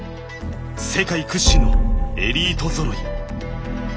世界屈指のエリートぞろい。